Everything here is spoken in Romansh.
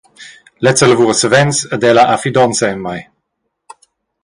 Lezza lavura savens ed ella ha fidonza en mei.